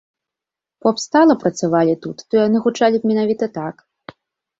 Поп стала працавалі тут, то яны гучалі б менавіта так!